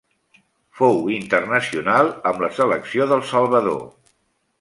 Fou internacional amb la selecció del Salvador.